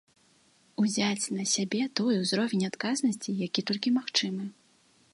Узяць на сябе той узровень адказнасці, які толькі магчымы.